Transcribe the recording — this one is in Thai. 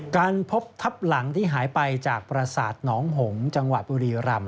การพบทับหลังที่หายไปจากประสาทหนองหงจังหวัดบุรีรำ